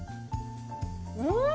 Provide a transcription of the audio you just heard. うん！